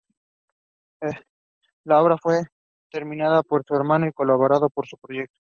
La obra fue terminada por su hermano y colaborador en el proyecto.